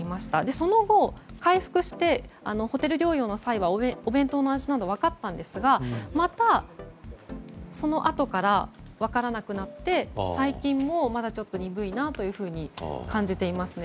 その後、回復してホテル療養の際はお弁当の味などは分かったんですがまた、そのあとから分からなくなって最近もまだちょっと鈍いなと感じていますね。